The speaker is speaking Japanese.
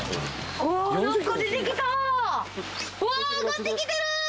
うわ上がってきてる！